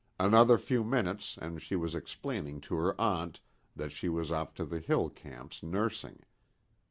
Another few minutes and she was explaining to her aunt that she was off to the hill camps nursing.